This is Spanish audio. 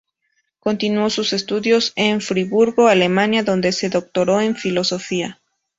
Continuó sus estudios en Friburgo, Alemania donde se doctoró en Filosofía.